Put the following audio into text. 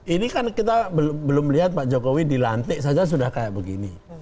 ini kan kita belum lihat pak jokowi dilantik saja sudah kayak begini